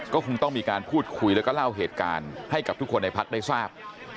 ก็คงต้องมีการพูดคุยแล้วก็เล่าเหตุการณ์ให้กับทุกคนในพักได้ทราบ